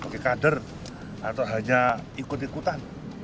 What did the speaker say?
ke kader atau hanya ikut ikutan